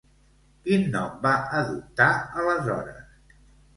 Qui nom va adoptar aleshores?